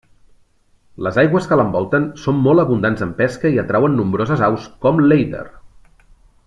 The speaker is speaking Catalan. Les aigües que l'envolten són molt abundants en pesca i atreuen nombroses aus, com l'èider.